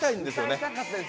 歌いたかったです。